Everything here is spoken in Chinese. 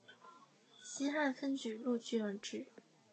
西汉分钜鹿郡而置。